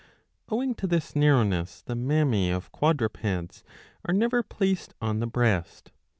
Owing to this narrowness the mammae of quadrupeds are never placed on the breast.